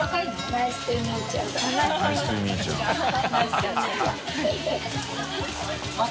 「ナイストゥみぃちゃん」